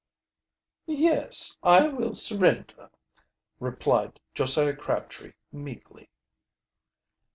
"Yes, I will surrender," replied Josiah Crabtree meekly.